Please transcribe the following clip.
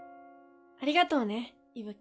ありがとうね息吹。